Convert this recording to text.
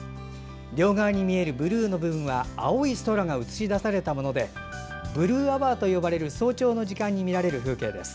両側に見えるブルーの部分は青い空が映し出されたものでブルーアワーと呼ばれる早朝の時間に見られる風景です。